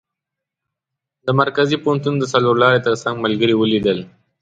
د مرکزي پوهنتون د څلور لارې تر څنګ ملګري ولیدل.